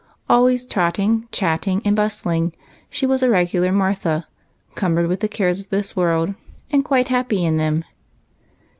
Always trotting, chatting, and bustling, she was a regular Martha, cumbered with the cares of this world and quite happy in them.